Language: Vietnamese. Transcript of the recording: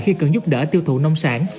khi cần giúp đỡ tiêu thụ nông sản